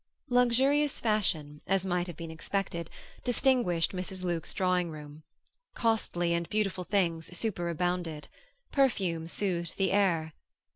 Luxurious fashion, as might have been expected, distinguished Mrs. Luke's drawing room. Costly and beautiful things superabounded; perfume soothed the air.